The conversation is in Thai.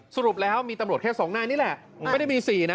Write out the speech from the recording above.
สรุปแล้วมีตำรวจแค่๒นายนี่แหละไม่ได้มี๔นะ